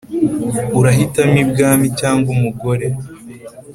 urahitamo ibwami cg umugore